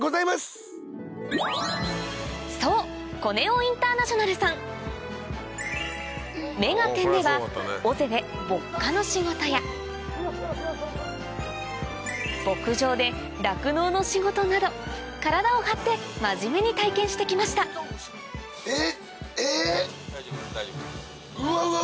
そう『目がテン！』では尾瀬で歩荷の仕事や牧場で酪農の仕事など体を張って真面目に体験して来ましたえっえ。